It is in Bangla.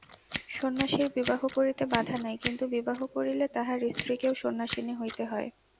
সন্ন্যাসীর বিবাহ করিতে বাধা নাই, কিন্তু বিবাহ করিলে তাঁহার স্ত্রীকেও সন্ন্যাসিনী হইতে হয়।